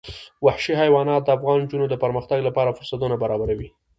وحشي حیوانات د افغان نجونو د پرمختګ لپاره فرصتونه برابروي.